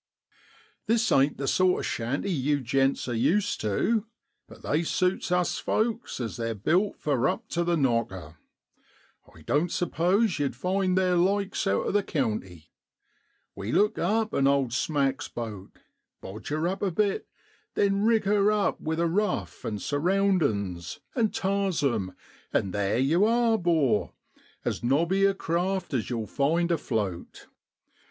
This ain't the sort of shanty yew gents are used tu, but they suits us folks as they're built for up to the knocker. I doan't suppose yow'd find theer likes out o' the county. We look up an owd smack's boat, bodge her up a bit, then rig her up with a ruf, an' surroundin's, an' tars 'em an' theer yow are, 'bor as nobby a craft as yow'll find afloat.